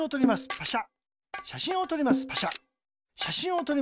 パシャ。